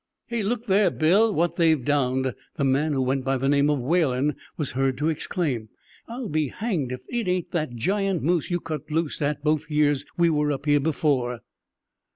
"Hey, look there, Bill, what they've downed!" the man who went by the name of Whalen was heard to exclaim. "I'll be hanged if it ain't that giant moose you cut loose at both years we were up here before!"